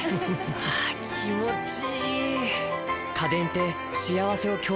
あ気持ちいい！